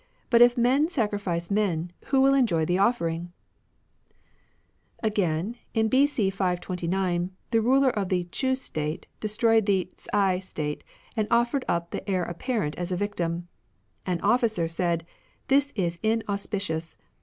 But if men sacrifice men, who will enjoy the offering ?" Again, in B.C. 529, the ruler of the Ch'u State destroyed the Ts'ai State, and offered up the heir apparent as a victim. An officer said, " This is inauspicious.